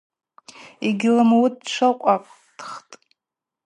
Йгьлымуытӏ, тшылкъватхтӏ.